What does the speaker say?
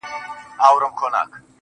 o ستا جدايۍ ته به شعرونه ليکم.